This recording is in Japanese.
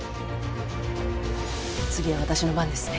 次は私の番ですね。